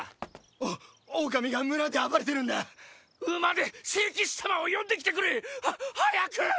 オオオカミが村で暴れてるんだ馬で聖騎士様を呼んできてくれは早く！